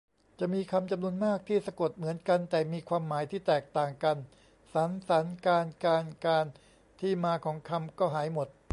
จะมีคำจำนวนมากที่สะกดเหมือนกันแต่มีความหมายที่แตกต่างกัน สรร สัน การ กาน กาญจน์ ที่มาของคำก็หายหมด